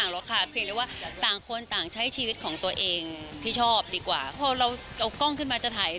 แล้วเราเอากล้องขึ้นมาจะถ่าย